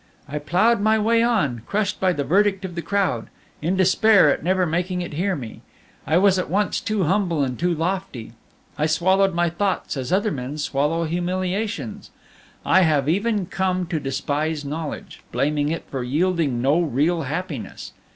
I ploughed my way on, crushed by the verdict of the crowd, in despair at never making it hear me. I was at once too humble and too lofty! I swallowed my thoughts as other men swallow humiliations. I had even come to despise knowledge, blaming it for yielding no real happiness.